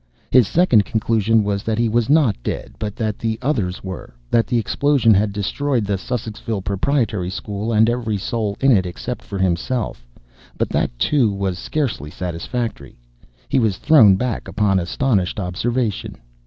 His second conclusion was that he was not dead, but that the others were: that the explosion had destroyed the Sussexville Proprietary School and every soul in it except himself. But that, too, was scarcely satisfactory. He was thrown back upon astonished observation.